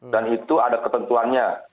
dan itu ada ketentuannya